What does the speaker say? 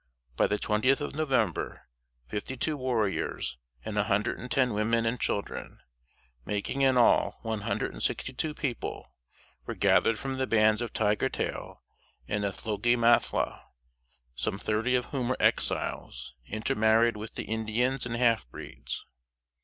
By the twentieth of November, fifty two warriors and a hundred and ten women and children making in all one hundred and sixty two people were gathered from the bands of Tiger tail and Nethloke Mathla; some thirty of whom were Exiles, intermarried with the Indians and half breeds.